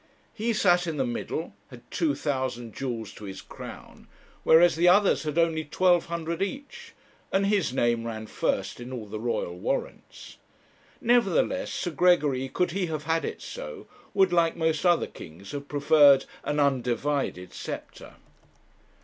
He sat in the middle, had two thousand jewels to his crown, whereas the others had only twelve hundred each, and his name ran first in all the royal warrants. Nevertheless, Sir Gregory, could he have had it so, would, like most other kings, have preferred an undivided sceptre.